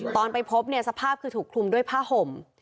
ตอนไปพบเนี่ยสภาพคือถูกคลุมด้วยผ้าห่ม